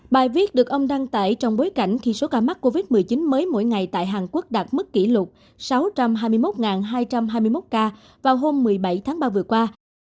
bài viết được ông đăng tải trong bối cảnh khi số ca mắc covid một mươi chín mới mỗi ngày tại hàn quốc đạt mức kỷ lục sáu trăm hai mươi một hai trăm hai mươi một ca vào hôm một mươi bảy tháng ba vừa qua